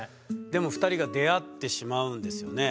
でも２人が出会ってしまうんですよね。